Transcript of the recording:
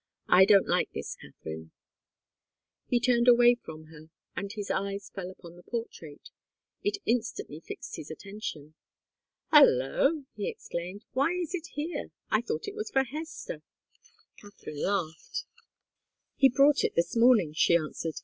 "I don't like this, Katharine." He turned away from her, and his eyes fell upon the portrait. It instantly fixed his attention. "Holloa!" he exclaimed. "Why is it here? I thought it was for Hester." Katharine laughed. "He brought it this morning," she answered.